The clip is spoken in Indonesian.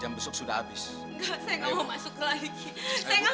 kita harus berusaha keras tante